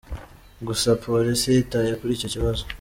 Gusa polisi yitaye kuri icyo kibazo.